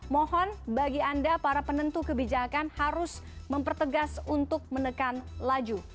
mohon bagi anda para penentu kebijakan harus mempertegas untuk menekan laju